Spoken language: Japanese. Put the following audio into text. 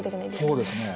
そうですね。